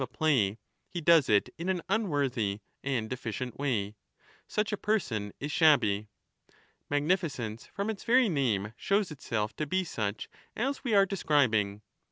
II92'' MAGNA MORALIA a play, he does it in an unworthy and deficient way, such a person is shabby. Magnificence from its very name shows itself to be such as we are describing.